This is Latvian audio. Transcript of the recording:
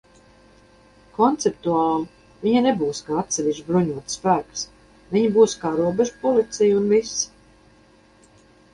Konceptuāli viņi nebūs kā atsevišķs bruņots spēks, viņi būs kā robežpolicija, un viss.